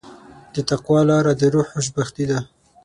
د تقوی لاره د روح خوشبختي ده.